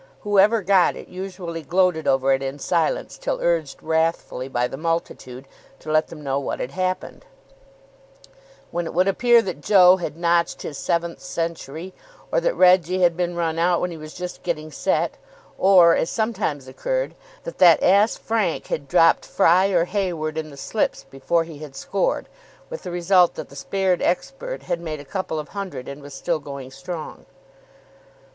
Whoever got it usually gloated over it in silence till urged wrathfully by the multitude to let them know what had happened; when it would appear that Joe had notched his seventh century, or that Reggie had been run out when he was just getting set, or, as sometimes occurred, that that ass Frank had dropped Fry or Hayward in the slips before he had scored, with the result that the spared expert had made a couple of hundred and was still going strong.